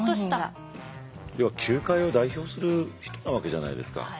要は球界を代表する人なわけじゃないですか。